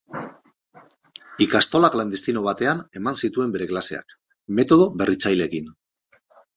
Ikastola klandestino batean ematen zituen bere klaseak, metodo berritzaileekin.